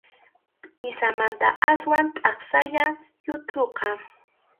Pʼisaqmanta aswan taksallam yuthuqa.